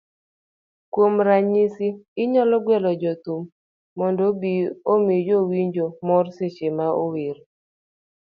Kuom ranyisi, inyalo gwelo jathum mondo obi omi jowinjo mor seche ma ower